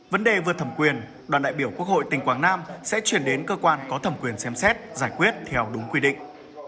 vấn đề vừa thẩm quyền đoàn đại biểu quốc hội tỉnh quảng nam sẽ chuyển đến cơ quan có thẩm quyền xem xét giải quyết theo đúng quy định